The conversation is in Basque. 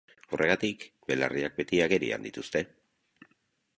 Horregatik, belarriak beti agerian dituzte.